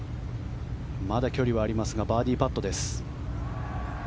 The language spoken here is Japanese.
まだ距離はありますがバーディーパットです。